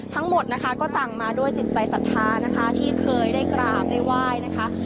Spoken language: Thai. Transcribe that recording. ทั้งหมดนะคะก็ต่างมาด้วยจิตใจสัทธานะคะที่เคยได้กราบได้ไหว้นะคะ